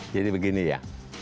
jadi begini ya